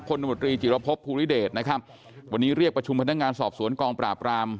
พมจิรพพภูริเดชวันนี้เรียกประชุมพนักงานสอบสวนกองปราบราม